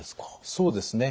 そうですね。